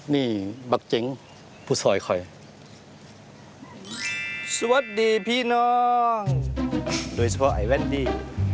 นี่บักเจ๋งผู้ซอยคอยสวัสดีพี่น้องโดยเฉพาะไอ้แว่นดี้